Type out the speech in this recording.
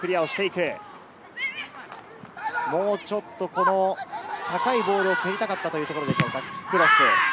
もうちょっと高いボールを蹴りたかったというところでしょうか。